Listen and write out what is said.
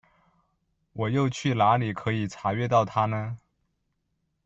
我又去哪里可以查阅到它呢？